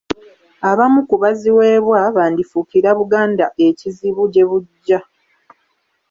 Abamu ku baziweebwa bandifuukira Buganda ekizibu gye bujja.